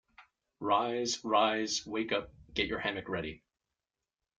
"Rise, rise, wake up, get your hammock ready".